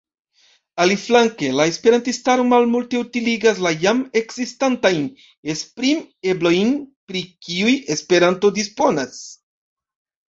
Aliflanke la esperantistaro malmulte utiligas la jam ekzistantajn esprim-eblojn, pri kiuj Esperanto disponas.